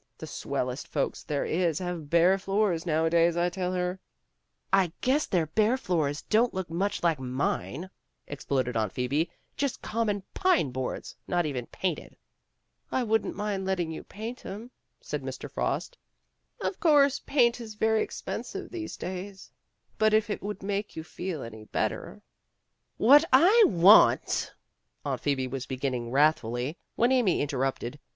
The swellest folks there is have bare floors nowadays, I tell her." ''I guess their bare floors don't look much like mine," exploded Aunt Phoebe, "just com mon pine boards, not even painted." "I wouldn't mind letting you paint 'em," said Mr. Frost. "Of course paint is very ex pensive these days, but if it would make you feel any better "'' What I want, '' Aunt Phoebe was beginning wrathfully, when Amy interrupted.